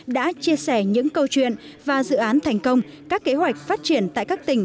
đã chia sẻ những câu chuyện và dự án thành công các kế hoạch phát triển tại các tỉnh